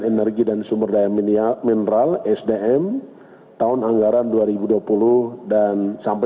energi dan sumber daya mineral tahun dua ribu dua puluh sampai tahun dua ribu dua puluh dua